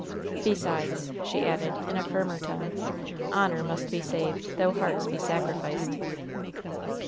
Besides," she added, in a firmer tone, "honor must be saved, though hearts be sacrificed."